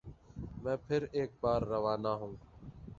میں پھر ایک بار روانہ ہوں